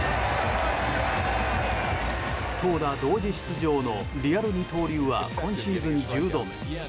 投打同時出場のリアル二刀流は今シーズン１０度目。